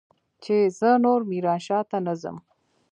چې زه نور ميرانشاه ته نه ځم.